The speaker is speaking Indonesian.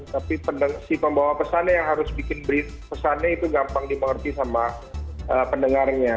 tapi si pembawa pesannya yang harus bikin pesannya itu gampang dimengerti sama pendengarnya